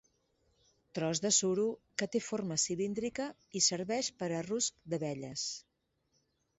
Tros de suro que té forma cilíndrica i serveix per a rusc d'abelles.